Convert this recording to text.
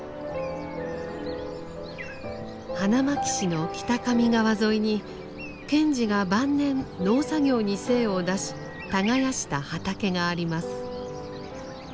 花巻市の北上川沿いに賢治が晩年農作業に精を出し耕した畑があります。